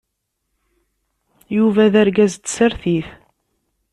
Yuba d argaz n tsertit.